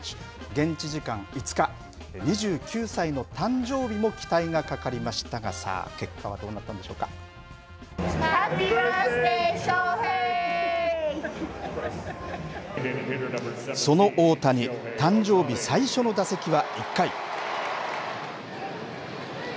現地時間５日２９歳の誕生日も期待がかかりましたがさあ、結果はハッピーバースデーその大谷誕生日最初の打席は１回。